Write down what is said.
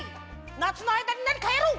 なつのあいだになにかやろう！